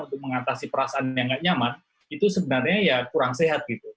untuk mengatasi perasaan yang nggak nyaman itu sebenarnya ya kurang sehat gitu